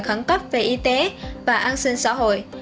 khẳng cấp về y tế và an sinh xã hội